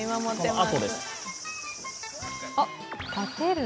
あ、立てる。